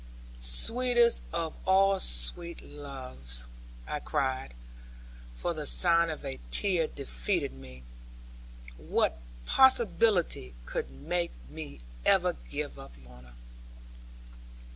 'Sweetest of all sweet loves,' I cried, for the sign of a tear defeated me; 'what possibility could make me ever give up Lorna?'